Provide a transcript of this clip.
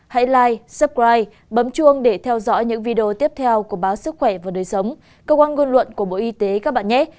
hãy live suppride bấm chuông để theo dõi những video tiếp theo của báo sức khỏe và đời sống cơ quan ngôn luận của bộ y tế các bạn nhét